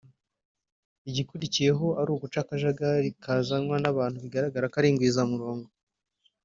igikurikiyeho ari uguca akajagari kazanwa n’abantu bigaragara ko ari ingwizamurongo